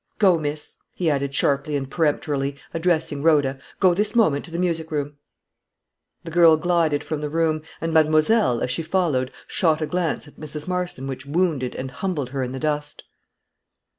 Go, miss," he added, sharply and peremptorily, addressing Rhoda, "go this moment to the music room." The girl glided from the room, and mademoiselle, as she followed, shot a glance at Mrs. Marston which wounded and humbled her in the dust.